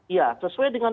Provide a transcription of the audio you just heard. ya sesuai dengan